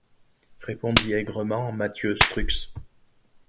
répondit aigrement Mathieu Strux.